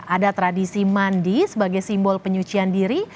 ada tradisi mandi sebagai simbol penyucian diri